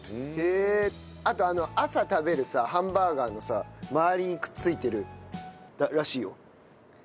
あと朝食べるさハンバーガーのさ周りにくっついてるらしいよ。